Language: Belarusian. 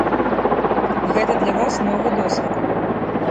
Гэта для нас новы досвед.